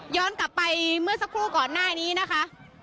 กลับไปเมื่อสักครู่ก่อนหน้านี้นะคะ